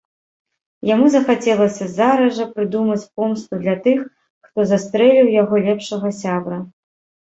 Яму захацелася зараз жа прыдумаць помсту для тых, хто застрэліў яго лепшага сябра.